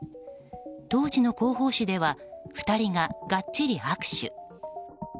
当時の広報紙では２人ががっちり握手。